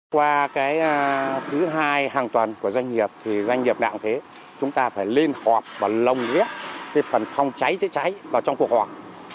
qua thứ hai hàng tuần của doanh nghiệp doanh nghiệp nặng thế chúng ta phải lên họp và lồng ghét phần phòng cháy cháy cháy vào trong cuộc họp